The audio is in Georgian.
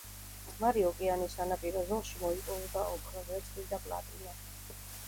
წყნარი ოკეანის სანაპირო ზოლში მოიპოვება ოქრო, ვერცხლი და პლატინა.